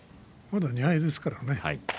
まだ２敗ですからね。